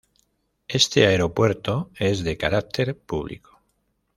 Este Aeropuerto es de carácter público.